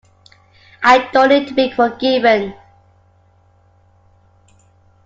I don't need to be forgiven.